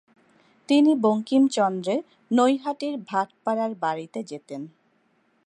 তিনি বঙ্কিমচন্দ্রের নৈহাটির ভাটপাড়ার বাড়িতে যেতেন।